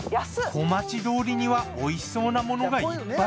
小町通りにはおいしそうなものがいっぱい。